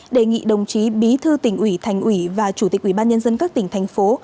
đề nghị đồng chí bí thư tỉnh ủy thành ủy và chủ tịch ủy ban nhân dân các tỉnh thành phố